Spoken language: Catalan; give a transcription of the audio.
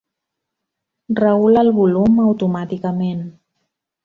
Regula el volum automàticament.